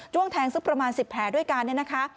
้วงแทงสักประมาณ๑๐แผลด้วยกันเนี่ยนะคะ